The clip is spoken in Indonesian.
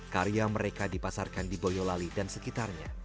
karya mereka dipasarkan di boyolali dan sekitarnya